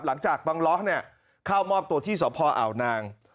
หลังจากบังล้อเข้ามอบตัวที่สพอ่าวนาง